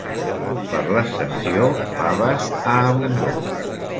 Per l'Ascensió, faves a abundor.